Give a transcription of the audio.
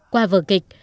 qua vờ kịch